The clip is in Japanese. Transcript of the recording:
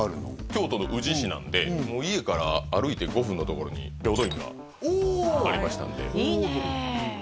京都の宇治市なんで家から歩いて５分のところに平等院がありましたんでいいねえ